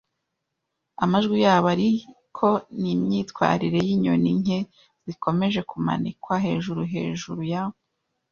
amajwi yabo ariko nimyitwarire yinyoni nke zikomeje kumanikwa hejuru hejuru ya